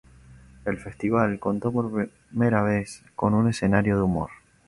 El festival contó por primera vez con un escenario de humor.